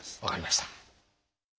分かりました。